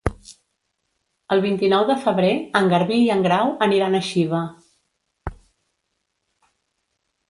El vint-i-nou de febrer en Garbí i en Grau aniran a Xiva.